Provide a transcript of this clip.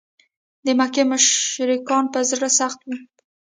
د مکې مشرکان په زړه سخت و.